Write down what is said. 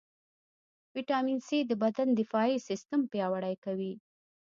ويټامين C د بدن دفاعي سیستم پیاوړئ کوي.